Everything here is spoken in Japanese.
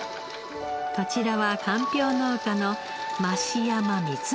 こちらはかんぴょう農家の増山光延さん。